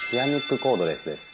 コードレスです。